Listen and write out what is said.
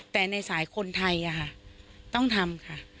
แต่ในสายคนไทยต้องทำค่ะ